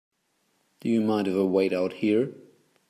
Do you mind if I wait out here?